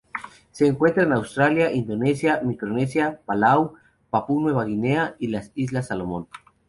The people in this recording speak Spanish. Se encuentra en Australia, Indonesia, Micronesia, Palau, Papua Nueva Guinea, y las islas Salomón.